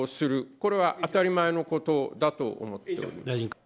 これは当たり前のことだと思っております。